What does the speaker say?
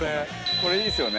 これいいですよね。